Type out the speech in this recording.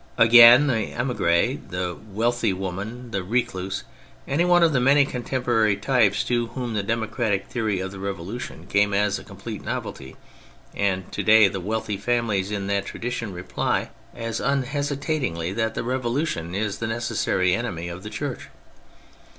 Again, the hnigrt^ the wealthy woman, the recluse, any one of the many contemporary types to whom the democratic theory of the Revolution came as a complete novelty, and to day the wealthy families in that tradition, reply as unhesitat ingly that the Revolution is the necessary enemy of the Church.